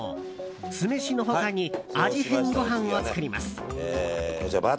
酢飯の他に味変ご飯を作ります。